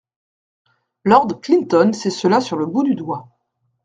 Lord Clinton sait cela sur le bout du doigt.